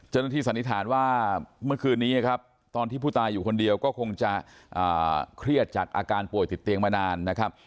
สันนิษฐานว่าเมื่อคืนนี้ครับตอนที่ผู้ตายอยู่คนเดียวก็คงจะเครียดจากอาการป่วยติดเตียงมานานนะครับ